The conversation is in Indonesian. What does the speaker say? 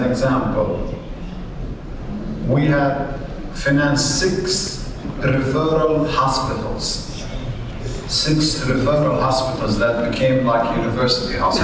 kami telah memperkuat enam hospital referal yang menjadi hospital universitas